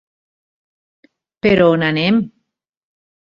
Però on anem?